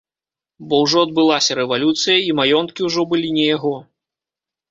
Бо ўжо адбылася рэвалюцыя і маёнткі ўжо былі не яго.